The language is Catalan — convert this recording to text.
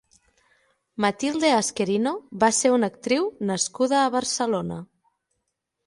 Matilde Asquerino va ser una actriu nascuda a Barcelona.